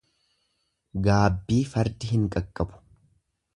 Gaabbii fardi hin qaqqabu.